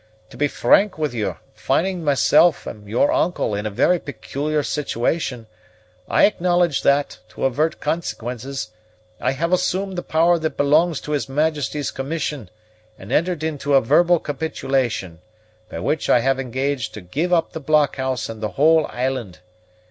To be frank with you, finding myself and your uncle in a very peculiar situation, I acknowledge that, to avert consequences, I have assumed the power that belongs to his Majesty's commission, and entered into a verbal capitulation, by which I have engaged to give up the blockhouse and the whole island.